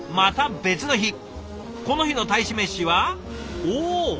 この日の大使メシはおお弁当？